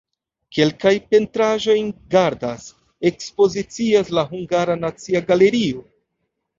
Kelkajn pentraĵojn gardas, ekspozicias la Hungara Nacia Galerio.